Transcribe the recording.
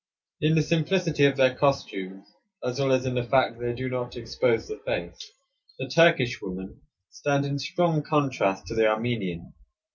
In the simplicity of their costumes, as well as in the fact that they do not expose the face, the Turkish women stand in strong contrast to the Armenian.